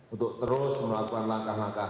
untuk terus melakukan langkah langkah